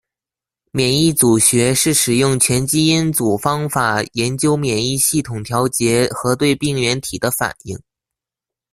免疫组学是使用全基因组方法研究免疫系统调节和对病原体的反应。